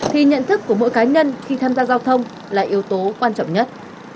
thì nhận thức của mỗi cá nhân khi tham gia giao thông là yếu tố quan trọng nhất